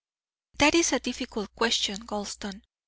"That is a difficult question, Gulston.